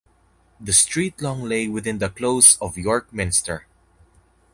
The street long lay within the close of York Minster.